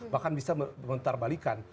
bahkan bisa mentarbalikan